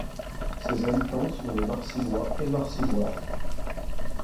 Ses habitants sont les Marcyllois et Marcylloises.